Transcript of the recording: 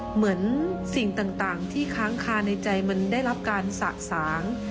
เหมือนสิ่งต่างที่ค้างคาในใจมันได้รับการสะสาง